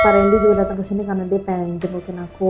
pak randy juga datang ke sini karena dia pengen jemukin aku